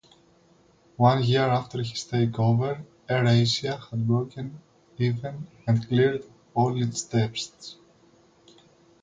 One year after his takeover, AirAsia had broken even and cleared all its debts.